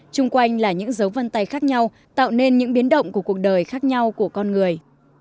chung quanh là những dấu vân tay khác nhau tạo nên những biến động của cuộc đời khác nhau của con người